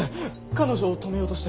彼女を止めようとして。